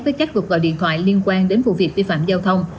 với các cuộc gọi điện thoại liên quan đến vụ việc vi phạm giao thông